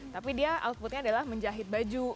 tapi dia outputnya adalah menjahit baju